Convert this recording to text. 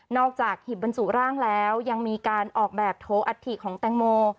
จากหีบบรรจุร่างแล้วยังมีการออกแบบโถอัฐิของแตงโม